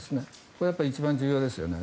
これは一番重要ですよね。